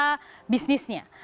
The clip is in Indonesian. bagaimana sesungguhnya peta bisnisnya